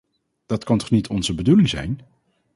Dat kan toch niet onze bedoeling zijn.